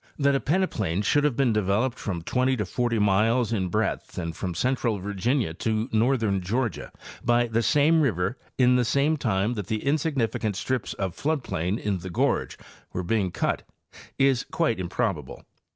That a peneplain should have been devel oped from 20 to 40 miles in breadth and from central Virginia to northern Georgia by the same river in the same time that the insignificant strips of flood plain in the gorge were being cut is quite improbable.